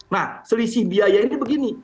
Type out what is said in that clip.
nah selisih biaya ini begini